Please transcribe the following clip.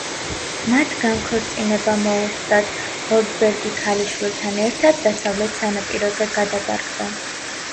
მათ განქორწინება მოუხდათ, გოლდბერგი ქალიშვილთან ერთად დასავლეთ სანაპიროზე გადაბარგდა.